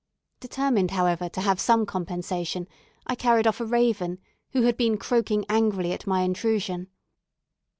Determined, however, to have some compensation, I carried off a raven, who had been croaking angrily at my intrusion.